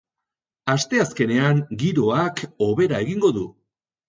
Astezkenean giroak hobera egingo du.